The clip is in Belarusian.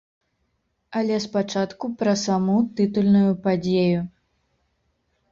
Але спачатку пра саму тытульную падзею.